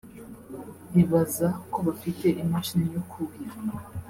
Ibaza ko bafite imashini yo kuhira